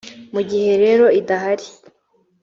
mu gihe rero idahari